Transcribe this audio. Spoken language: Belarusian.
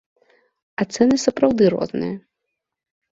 А цэны сапраўды розныя.